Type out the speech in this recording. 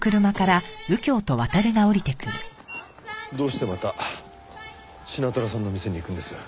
どうしてまたシナトラさんの店に行くんです？